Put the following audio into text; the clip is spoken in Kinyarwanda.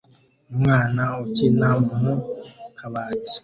Umwana ukina mu kabati